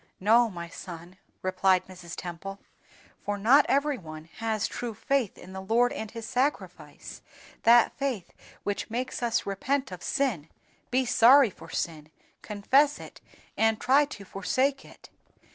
"No, my son," replied Mrs. Temple, "for not every one has true faith in the Lord and His Sacrifice, that faith which makes us repent of sin, be sorry for sin, confess it and try to forsake it.